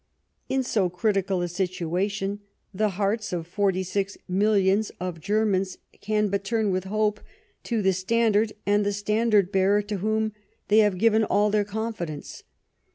In so critical a situation, the hearts of forty six millions of Germans can but turn with hope to the standard and the standard bearer, to whom they have given all their confidence.